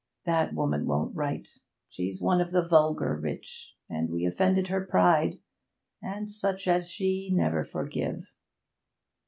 That woman won't write. She's one of the vulgar rich, and we offended her pride; and such as she never forgive.'